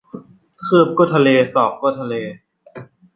คืบก็ทะเล ศอกก็ทะเล